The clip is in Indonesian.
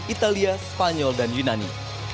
italia spanyol dan yunani